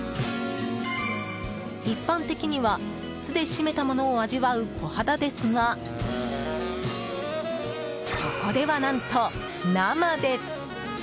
一般的には、酢で締めたものを味わうコハダですがここでは何と生で！